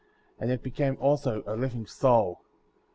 And it became also a living soul.